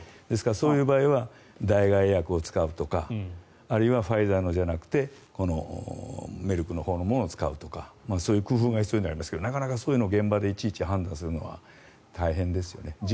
ですから、そういう場合は代替薬を使うとかあるいはファイザーのじゃなくてメルクのほうのものを使うとかそういう工夫が必要になりますが現場でいちいち判断するのは大変ですよね。